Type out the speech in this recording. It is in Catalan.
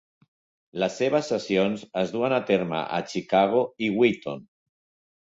Les seves sessions es duen a terme a Chicago i Wheaton.